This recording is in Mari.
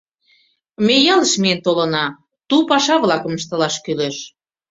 «Ме ялыш миен толына, ту паша-влакым ыштылаш кӱлеш».